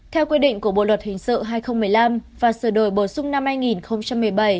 theo quy định của bộ luật hình sự hai nghìn một mươi năm và sửa đổi bổ sung năm hai nghìn một mươi bảy